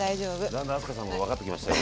だんだん明日香さんを分かってきましたよ